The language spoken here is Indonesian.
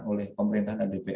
oleh pemerintahan dan dpr